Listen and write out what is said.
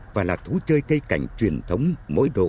và là thú chơi cây cảnh truyền thống mỗi độ